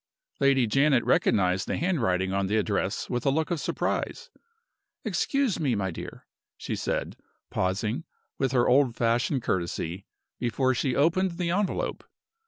Lady Janet recognized the handwriting on the address with a look of surprise. "Excuse me, my dear," she said, pausing, with her old fashioned courtesy, before she opened the envelope.